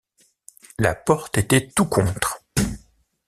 La porte était tout contre.